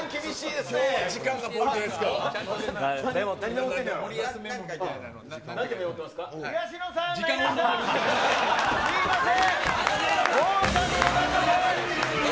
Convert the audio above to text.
すみません。